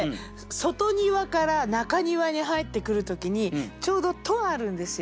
外庭から中庭に入ってくる時にちょうど戸あるんですよ。